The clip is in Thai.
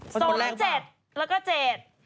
สมเจษแล้วก็เจษ